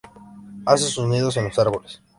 Hace sus nidos en los árboles.